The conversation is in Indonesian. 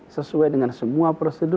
sesuai dengan semua prosedur